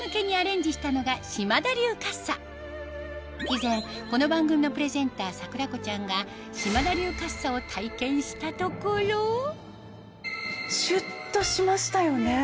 以前この番組のプレゼンター桜子ちゃんが島田流かっさを体験したところシュっとしましたよね。